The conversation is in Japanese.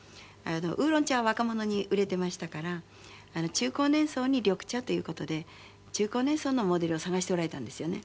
ウーロン茶は若者に売れていましたから中高年層に緑茶という事で中高年層のモデルを探しておられたんですよね。